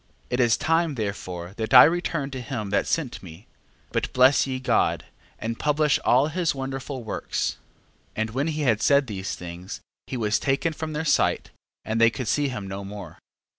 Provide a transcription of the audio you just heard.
12:20. It is time therefore that I return to him that sent me: but bless ye God, and publish all his wonderful works. 12:21. And when he had said these things, he was taken from their sight, and they could see him no more.